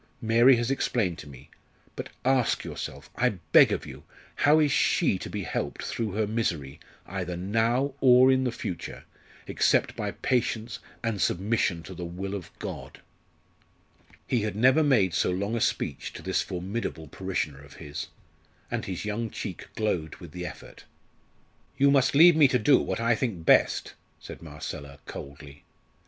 Mary has explained to me but ask yourself, I beg of you! how is she to be helped through her misery, either now or in the future, except by patience and submission to the will of God?" He had never made so long a speech to this formidable parishioner of his, and his young cheek glowed with the effort. "You must leave me to do what I think best," said Marcella, coldly.